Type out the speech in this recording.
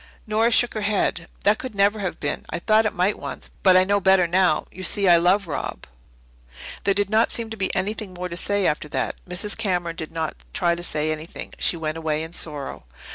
Nora shook her head. "That could never have been. I thought it might once but I know better now. You see, I love Rob." There did not seem to be anything more to say after that. Mrs. Cameron did not try to say anything. She went away in sorrow.